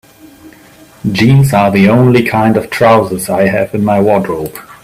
Jeans are the only kind of trousers I have in my wardrobe.